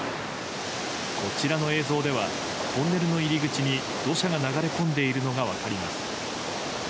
こちらの映像ではトンネルの入り口に土砂が流れ込んでいるのが分かります。